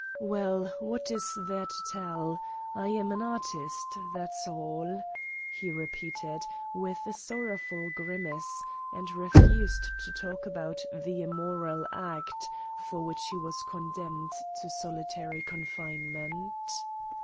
"Well, what is there to tell? I was an artist, that's all," he repeated, with a sorrowful grimace, and refused to talk about the "immoral act" for which he was condemned to solitary confinement.